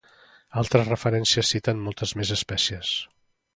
Altres referències citen moltes més espècies.